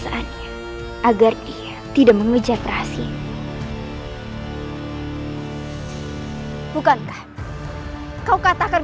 bukankah urusan kita belum selesai yudhakara